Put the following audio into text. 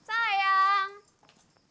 sayang kita jalan jalan yuk